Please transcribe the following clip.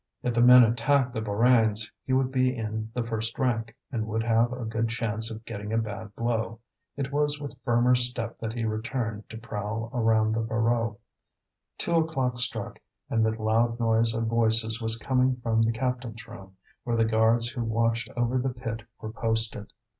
If the men attacked the Borains, he would be in the first rank, and would have a good chance of getting a bad blow. It was with firmer step that he returned to prowl around the Voreux. Two o'clock struck, and the loud noise of voices was coming from the captains' room, where the guards who watched over the pit were posted.